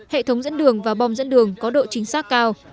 hệ thống dẫn đường và bom dẫn đường có độ chính xác cao